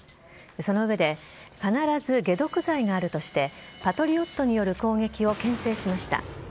その上で必ず解毒剤があるとしてパトリオットによる攻撃をけん制しました。